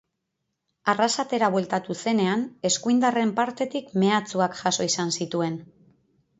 Arrasatera bueltatu zenean eskuindarren partetik mehatxuak jaso izan zituen.